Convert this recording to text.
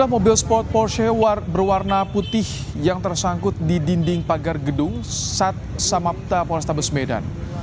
mobil sport porsche berwarna putih tersangkut di dinding pagar gedung sat samapta polestabes bedan